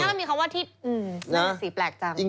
นั่นมีคำว่าที่ที่แท้สีแปลกจัง